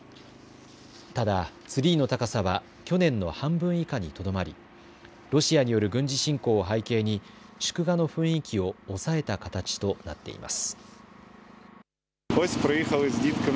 ただツリーの高さは去年の半分以下にとどまりロシアによる軍事侵攻を背景に祝賀の雰囲気を抑えた形となっています。